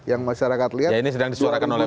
yang masyarakat lihat ini sedang disuarakan oleh